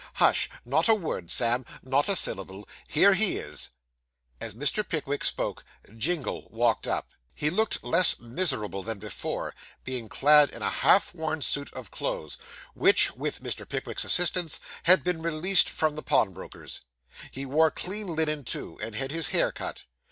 Hush! not a word, Sam; not a syllable. Here he is.' As Mr. Pickwick spoke, Jingle walked up. He looked less miserable than before, being clad in a half worn suit of clothes, which, with Mr. Pickwick's assistance, had been released from the pawnbroker's. He wore clean linen too, and had had his hair cut.